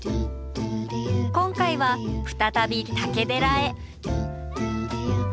今回は再び竹寺へ。